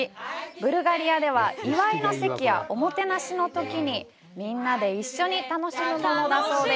ブルガリアでは、祝いの席やおもてなしのときにみんなで一緒に楽しむものだそうです。